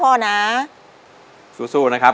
ก็มาเริ่มการแข่งขันกันเลยนะครับ